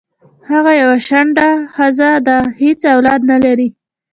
هغه یوه شنډه خځه ده حیڅ اولاد نه لری